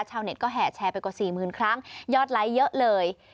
ชาวเน็ตก็แห่แชร์ไปกว่าสี่หมื่นครั้งยอดไลค์เยอะเลย